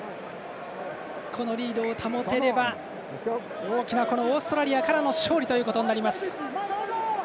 このリードを保てれば大きなオーストラリアからの勝利となります。